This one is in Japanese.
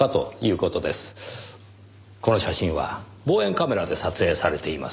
この写真は望遠カメラで撮影されています。